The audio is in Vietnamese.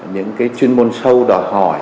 những chuyên môn sâu đòi hỏi